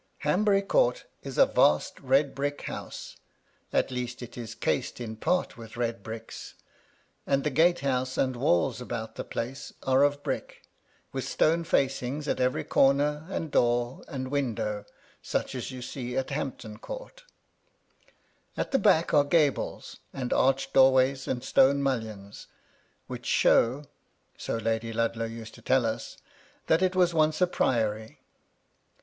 Hanbury Court is a vast red brick house—at least, it is cased in part with red bricks ; and the gate house and walls about the place are of brick, — with stone facings at every comer, and door, and window, such as you see at Hampton Court At the back are the gables, and arched doorways, and stone mullions, which show (so Lady Ludlow used to tell us) that it was once a priory.